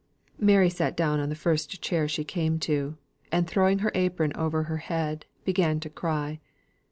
Mary sat down on the first chair she came to, and throwing her apron over her head, began to cry.